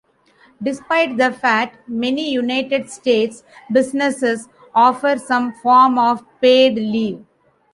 Despite that fact, many United States businesses offer some form of paid leave.